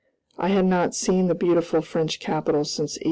I had not seen the beautiful French capital since 1840.